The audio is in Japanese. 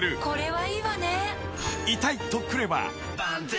はい！